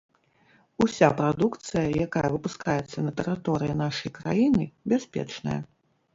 Уся прадукцыя, якая выпускаецца на тэрыторыі нашай краіны, бяспечная.